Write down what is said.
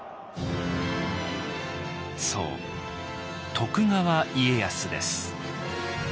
そう徳川家康です。